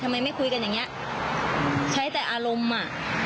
ไม่คุยกันอย่างเงี้ยใช้แต่อารมณ์อ่ะ